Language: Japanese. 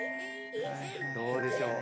どうでしょう？